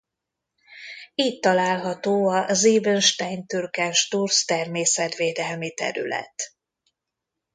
Itt található a Seebenstein-Türkensturz természetvédelmi terület.